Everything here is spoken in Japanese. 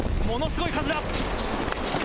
ものすごい風だ。